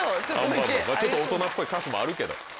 ちょっと大人っぽい歌詞もあるけど。